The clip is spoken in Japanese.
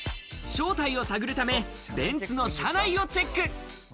正体を探るため、ベンツの車内をチェック。